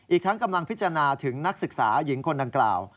อีกทั้งกำลังพิจารณาถึงนักศึกษาหญิงคนดังกล่าว